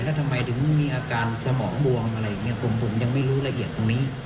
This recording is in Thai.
แล้วทำไมถึงมีอาการสมองบวมอะไรอย่างนี้ผมยังไม่รู้ละเอียดตรงนี้